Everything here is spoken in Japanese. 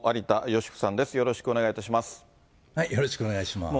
よろしくお願いします。